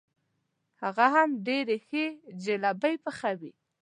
هغه هم ډېرې ښې جلبۍ پخوي.